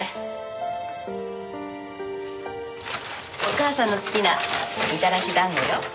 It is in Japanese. お母さんの好きなみたらし団子よ。